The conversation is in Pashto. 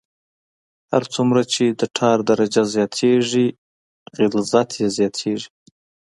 هر څومره چې د ټار درجه زیاتیږي غلظت یې زیاتیږي